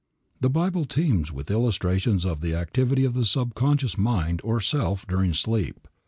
The Bible teems with illustrations of the activity of the subconscious mind or self during sleep.